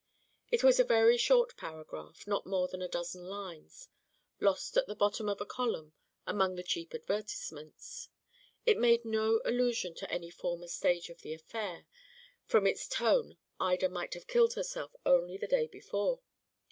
It was a very short paragraph, not more than a dozen lines, lost at the bottom of a column, among the cheap advertisements. It made no allusion to any former stage of the affair; from its tone Ida might have killed herself only the day before.